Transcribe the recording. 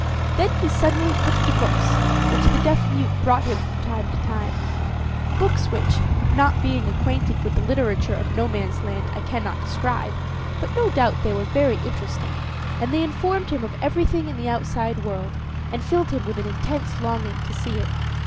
Then he suddenly took to books, which the deaf mute brought him from time to time books which, not being acquainted with the literature of Nomansland, I cannot describe, but no doubt they were very interesting; and they informed him of everything in the outside world, and filled him with an intense longing to see it.